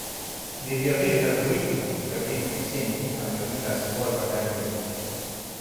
Devi avere l‘algoritmo per mettere insieme tutta la mia vita se vuoi guardare indietro.